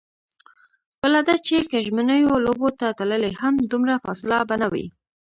بله دا چې که ژمنیو لوبو ته تللې هم، دومره فاصله به نه وي.